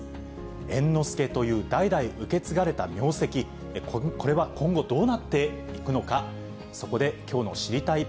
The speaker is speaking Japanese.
猿之助という代々受け継がれた名跡、これは今後、どうなっていくのか、そこできょうの知りたいッ！